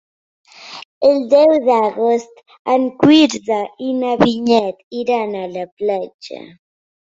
El deu d'agost en Quirze i na Vinyet iran a la platja.